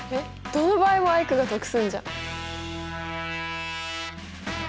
どの場合もアイクが得すんじゃん。